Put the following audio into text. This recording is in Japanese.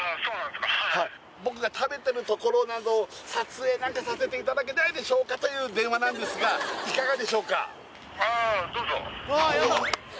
僕が食べてるところなど撮影なんかさせていただけないでしょうかという電話なんですがいかがでしょうか？